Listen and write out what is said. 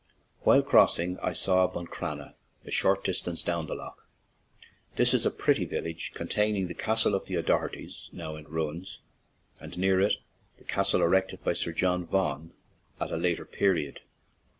While crossing I saw Buncrana, a short distance down the lough. This is a pretty village containing the castle of the O'Dochertys, now in ruins, and near it the castle erected by Sir John Vaughan at a later period.